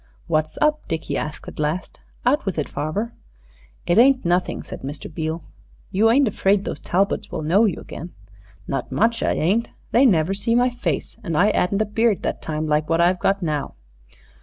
"What's up?" Dickie asked at last. "Out with it, farver." "It ain't nothing," said Mr. Beale. "You ain't afraid those Talbots will know you again?" "Not much I ain't. They never see my face; and I 'adn't a beard that time like what I've got now."